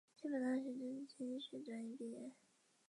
西北大学政治经济学专业毕业。